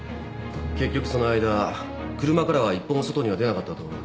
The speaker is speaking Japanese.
結局その間車からは一歩も外には出なかったと言っていました。